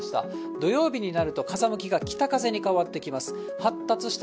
土曜日になると風向きが北に変わってきた。